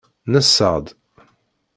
Nessaɣ-d.